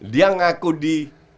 dia ngaku di